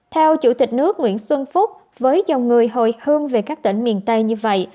theo chủ tịch nước nguyễn xuân phúc với dòng người hồi hương về các tỉnh miền tây như vậy